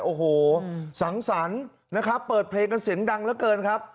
โอ้โหสังสรรค์นะครับเปิดเพลงกันเสียงดังเหลือเกินครับ